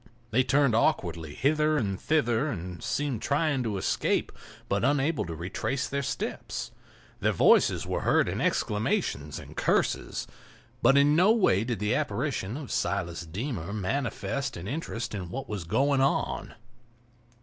They turned awkwardly hither and thither and seemed trying to escape, but unable to retrace their steps. Their voices were heard in exclamations and curses. But in no way did the apparition of Silas Deemer manifest an interest in what was going on.